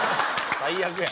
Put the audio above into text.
最悪や。